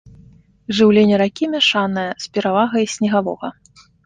Жыўленне ракі мяшанае, з перавагай снегавога.